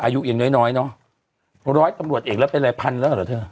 อายุยังน้อยน้อยเนอะร้อยตำรวจเอกแล้วเป็นรายพันแล้วเหรอเธอ